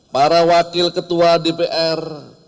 para wakil ketua dpr